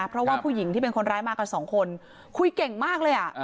เพราะว่าผู้หญิงที่เป็นคนร้ายมากันสองคนคุยเก่งมากเลย